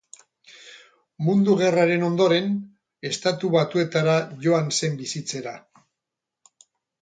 Mundu Gerraren ondoren, Estatu Batuetara joan zen bizitzera.